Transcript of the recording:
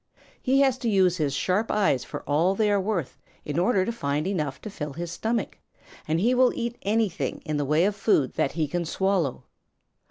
He has to use his sharp eyes for all they are worth in order to find enough to fill his stomach, and he will eat anything in the way of food that he can swallow.